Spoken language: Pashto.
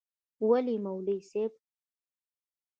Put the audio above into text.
وله یی مولوی صیب.